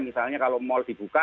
misalnya kalau mal dibuka